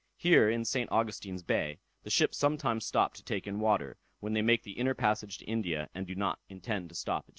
Here, in St. Augustine's bay, the ships sometimes stop to take in water, when they make the inner passage to India, and do not intend to stop at Johanna.